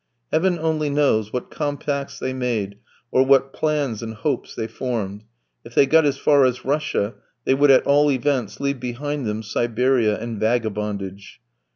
Heaven only knows what compacts they made, or what plans and hopes they formed; if they got as far as Russia they would at all events leave behind them Siberia and vagabondage.